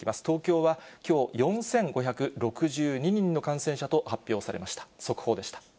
東京はきょう、４５６２人の感染者と発表されました。